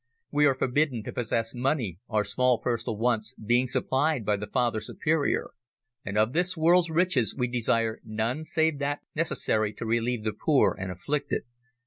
"We are forbidden to possess money, our small personal wants being supplied by the father superior, and of this world's riches we desire none save that necessary to relieve the poor and afflicted."